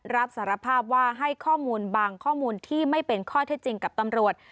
รับสารภาพว่าให้ข้อมูลบางข้อมูลที่ไม่เป็นข้อเท็จจริงกับตำรวจ